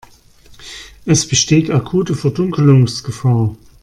Es besteht akute Verdunkelungsgefahr.